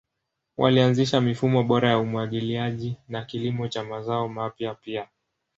Walianzisha mifumo bora ya umwagiliaji na kilimo cha mazao mapya pia.